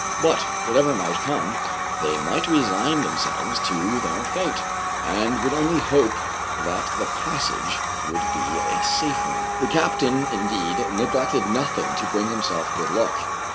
But, whatever might come, they must resign themselves to their fate, and would only hope that the passage would be a safe one. The captain, indeed, neglected nothing to bring himself good luck.